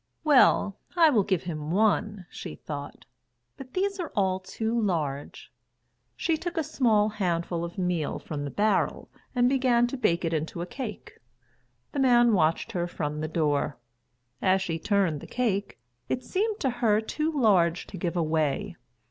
"Well, I will give him one," she thought, "but these are all too large." She took a small handful of meal from the barrel and began to bake it into a cake. The man watched her from the door. As she turned the cake, it seemed to her too large to give away.